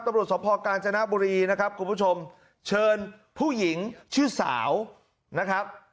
ตำรวจสภกาญจนบุรีนะครับคุณผู้ชมเชิญผู้หญิงชื่อสาวนะครับ